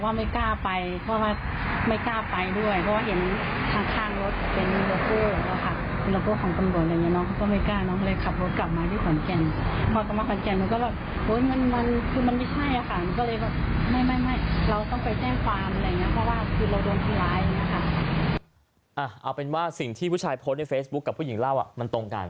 เอาเป็นว่าสิ่งที่ผู้ชายโพสต์ในเฟซบุ๊คกับผู้หญิงเล่ามันตรงกัน